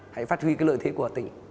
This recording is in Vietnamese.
hãy phát huy cái lợi thế của tỉnh